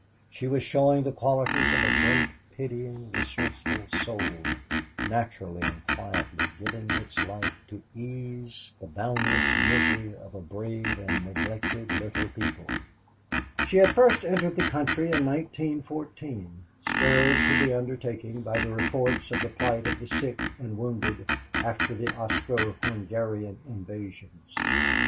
She was showing the qualities of a great, pitying, resourceful soul, naturally and quietly giving its life to ease the boundless misery of a brave and neglected little people. She had first entered the country in 1914, stirred to the undertaking by the reports of the plight of the sick and wounded after the Austro Hungarian invasions.